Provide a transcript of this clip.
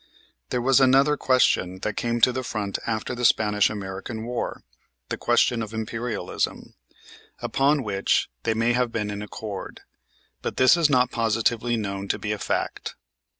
There was another question that came to the front after the Spanish American war, the question of "Imperialism," upon which they may have been in accord; but this is not positively known to be a fact.